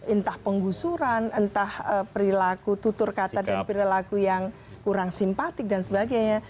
entah penggusuran entah perilaku tutur kata dan perilaku yang kurang simpatik dan sebagainya